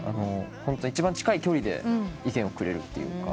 ホント一番近い距離で意見をくれるっていうか。